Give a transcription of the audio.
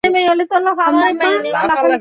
তিনি বিপ্লবী সমাজতন্ত্রী দলের অন্যতম প্রতিষ্ঠাতা।